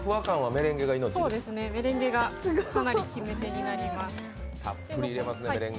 メレンゲがかなり決め手になります。